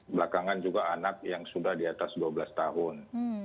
belakangan juga anak yang sudah di atas dua belas tahun